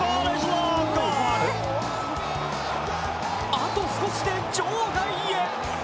あと少しで場外へ。